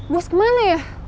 bos kemana ya